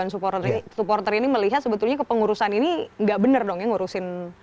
dan supporter ini melihat sebetulnya kepengurusan ini nggak benar dong ya ngurusin